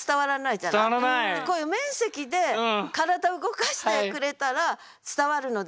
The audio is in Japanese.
こういう面積で体動かしてくれたら伝わるのではないか。